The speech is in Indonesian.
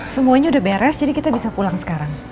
semuanya udah beres jadi kita bisa pulang sekarang